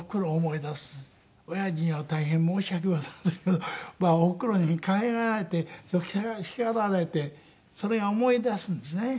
親父には大変申し訳ございませんけどおふくろに可愛がられて叱られてそれを思い出すんですね。